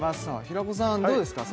平子さんどうですか？